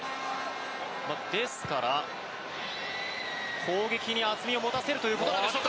ですから攻撃に厚みを持たせるということなんでしょうか。